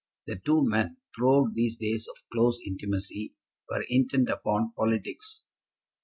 The two men, throughout these days of close intimacy, were intent upon politics.